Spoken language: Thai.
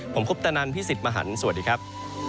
ผมคุปตะนันพี่สิทธิ์มหันฯสวัสดีครับ